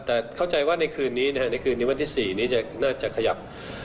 แต่เข้าใจว่าในคืนนี้นะฮะในคืนนี้วันที่๔นี้น่าจะขยับ